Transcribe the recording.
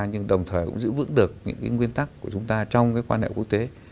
nhưng đồng thời cũng giữ vững được những cái nguyên tắc của chúng ta trong cái quan hệ quốc tế